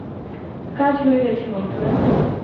কাজ হয়ে গেছে বন্ধুরা!